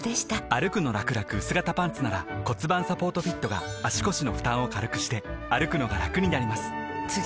「歩くのらくらくうす型パンツ」なら盤サポートフィットが足腰の負担を軽くしてくのがラクになります覆个△